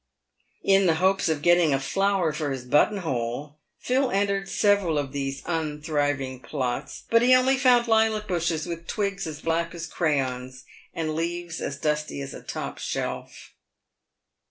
In the hopes of getting a flower for his button hole, Philip entered several of these unthriving plots, but he only found lilac bushes with twigs as black as crayons and leaves as dusty as a top shelf.